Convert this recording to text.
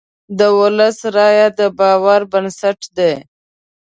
د ولس رایه د باور بنسټ دی.